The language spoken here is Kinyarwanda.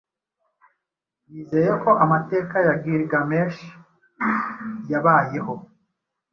yizeye ko amateka ya Gilgamesh yabayeho